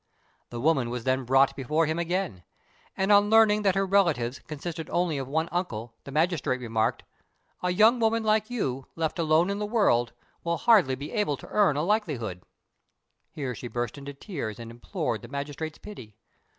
The woman was then brought before him again; and on learning that her relatives consisted only of one uncle, the magistrate remarked, "A young woman like you, left alone in the world, will hardly be able to earn a livelihood. [Here she burst into tears and implored the magistrate's pity.